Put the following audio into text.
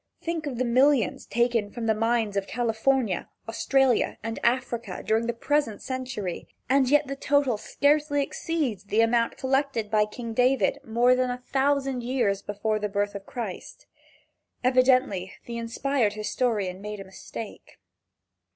Think of the millions taken from the mines of California, Australia and Africa during the present century and yet the total scarcely exceeds the amount collected by King David more than a thousand years before the birth of Christ. Evidently the inspired historian made a mistake.